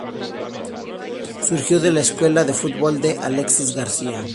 Surgió de la Escuela de Fútbol de Alexis García.